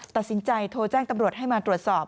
ตัดสินใจโทรแจ้งตำรวจให้มาตรวจสอบ